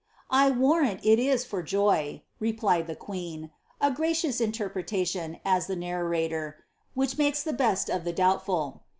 ^ I warrant it is for joy," replied the queen. "A gracious interpreta tion," adds the narrator, ^ which makes the best of the doubtful."